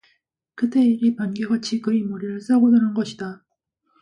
그때의 일이 번개같이 그의 머리를 싸고도는 것이다.